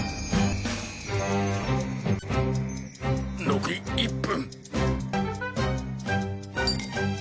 残り１分。